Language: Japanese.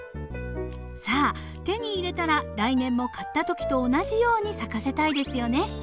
さあ手に入れたら来年も買った時と同じように咲かせたいですよね。